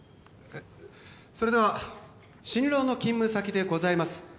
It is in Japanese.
それでは新郎の勤務先でございます